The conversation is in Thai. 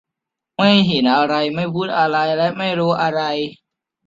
ไม่เห็นอะไร ไม่พูดอะไร และไม่รู้อะไร